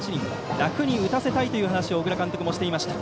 楽に打たせたいという話を小倉監督もしていました。